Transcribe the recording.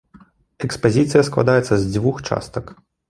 Экспазіцыя складаецца з дзвюх частак.